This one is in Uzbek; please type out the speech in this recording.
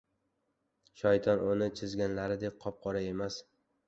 • Shayton uni chizganlaridek qop-qora emas.